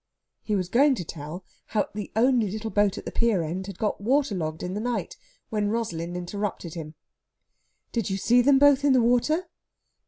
He was going to tell how the only little boat at the pier end had got water logged in the night, when Rosalind interrupted him. "Did you see them both in the water?"